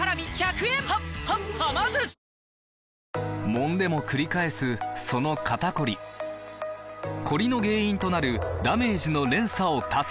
もんでもくり返すその肩こりコリの原因となるダメージの連鎖を断つ！